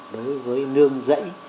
đối với nương rẫy